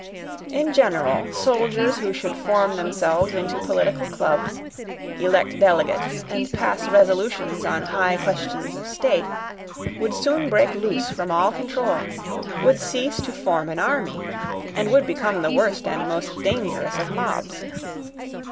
In general, soldiers who should form themselves into political clubs, elect delegates, and pass resolutions on high questions of state, would soon break loose from all control, would cease to form an army, and would become the worst and most dangerous of mobs.